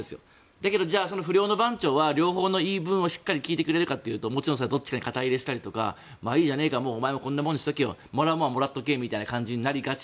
だけど、じゃあその不良の番長は両方の言い分をしっかり聞いてくれるかというとどっちかに肩入れしたりまあいいじゃないかこんなもんにしておけよもらうものはもらっておけみたいな感じになって。